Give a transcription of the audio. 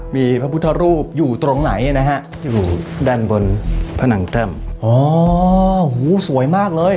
มีพระพุทธรูปอยู่ตรงไหนนะฮะอยู่ด้านบนผนังแต้มอ๋อหูสวยมากเลย